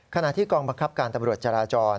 ขณะที่กองบังคับการตำรวจจราจร